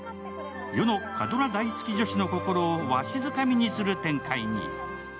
世の火ドラ大好き女子の心をわしづかみにする展開に。